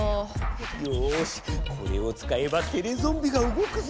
よしこれを使えばテレゾンビがうごくぞ！